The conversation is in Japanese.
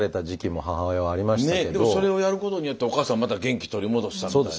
でもそれをやることによってお母さんまた元気取り戻したみたいな。